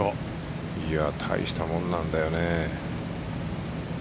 大したもんなんだよね。